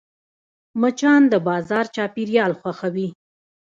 مچان د بازار چاپېریال خوښوي